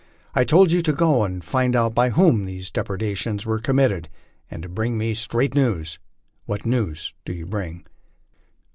I told you to go and find out by whom these depredations were committed and to bring me straight news. What news do you bring?